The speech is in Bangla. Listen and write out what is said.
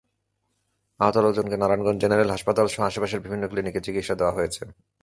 আহত লোকজনকে নারায়ণগঞ্জ জেনারেল হাসপাতালসহ আশপাশের বিভিন্ন ক্লিনিকে চিকিৎসা দেওয়া হয়েছে।